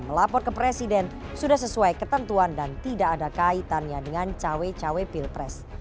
melapor ke presiden sudah sesuai ketentuan dan tidak ada kaitannya dengan cawe cawe pilpres